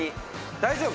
大丈夫？